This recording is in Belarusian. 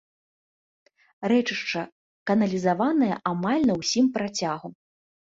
Рэчышча каналізаванае амаль на ўсім працягу.